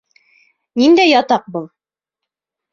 Ниндәй ятаҡ был?